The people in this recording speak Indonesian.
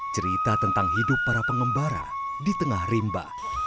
cerita tentang hidup para pengembara di tengah rimba